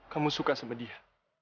kamu suka sama dia